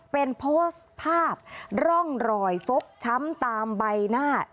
เป็นโพสต์ภาพร่องรอยฟกช้ำตามใบหน้า